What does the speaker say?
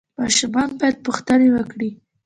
ماشومان باید پوښتنې وکړي.